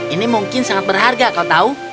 ini mungkin sangat berharga kau tahu